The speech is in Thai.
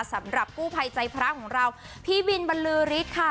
สำหรับกู้ภัยใจพระของเราพี่บินบรรลือฤทธิ์ค่ะ